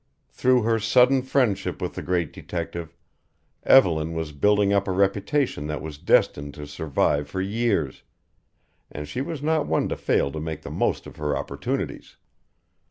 Through her sudden friendship with the great detective, Evelyn was building up a reputation that was destined to survive for years, and she was not one to fail to make the most of her opportunities.